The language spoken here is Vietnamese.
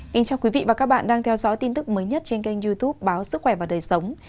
kính chào quý vị và các bạn đang theo dõi tin tức mới nhất trên kênh youtube báo sức khỏe và đời sống